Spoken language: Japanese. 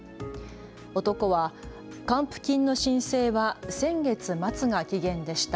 男は、還付金の申請は先月末が期限でした。